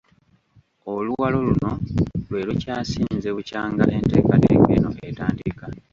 Oluwalo luno lwe lukyasinze bukyanga enteekateeka eno etandika.